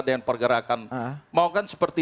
dan pergerakan maukan seperti